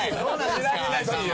しらじらしいよ！